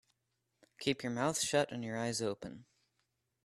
Keep your mouth shut and your eyes open.